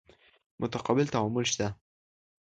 متقابل تعامل شته.